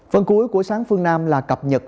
phần cuối của sáng phương nam là cập nhật